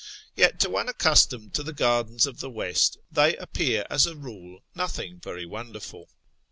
Yet to one accustomed to the gardens of the West they appear, as a rule, nothing very wonderful.